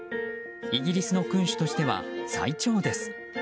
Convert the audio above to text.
イギリスの君主としては最長です。